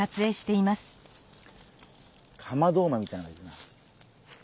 カマドウマみたいのがいるな。